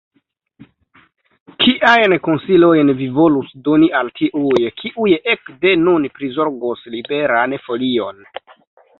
Kiajn konsilojn vi volus doni al tiuj, kiuj ekde nun prizorgos Liberan Folion?